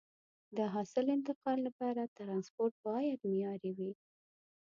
د حاصل انتقال لپاره ترانسپورت باید معیاري وي.